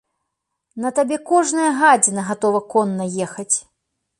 На табе кожная гадзіна гатова конна ехаць.